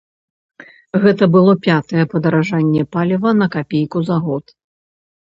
Гэта было пятае падаражанне паліва на капейку за год.